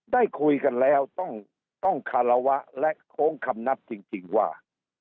ได้คุยกันแล้วต้องคารวะและโค้งคำนับจริงว่า